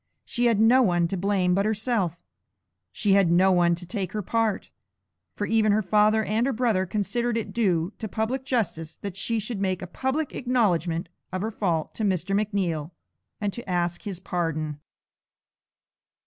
She had no one to blame but herself; she had no one to take her part, for even her father and her brother considered it due to public justice that she should make a public acknowledgment of her fault to Mr. McNeal, and to ask his pardon.